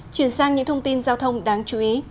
chuyển sang những thông tin giao thông đáng chú ý